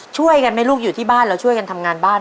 ช่วยกันไหมลูกอยู่ที่บ้านเราช่วยกันทำงานบ้าน